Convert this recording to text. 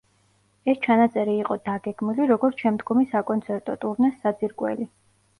ეს ჩანაწერი იყო დაგეგმილი, როგორც შემდგომი საკონცერტო ტურნეს საძირკველი.